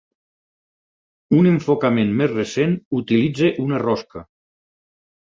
Un enfocament més recent utilitza una rosca.